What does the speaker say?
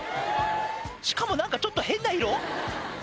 しかも何かちょっと変な色？